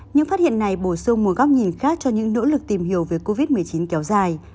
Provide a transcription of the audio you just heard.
những phát hiện này bổ sung một góc nhìn khác cho những nỗ lực tìm hiểu về covid một mươi chín kéo dài